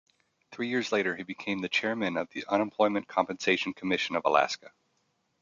Three years later he became the chairman of the Unemployment Compensation Commission of Alaska.